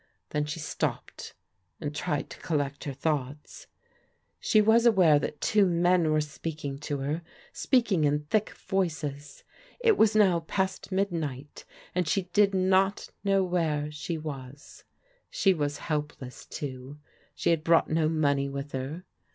Then she stopped and tried to collect her thoughts. She was aware that two men were speaking to her — q>eakmg in thick voices. It was now past midm^X., ^"cA it 240 PRODIGAL DAUGHTEBS she did not know where she was. She was helpless, toa She had brou^t no money with her.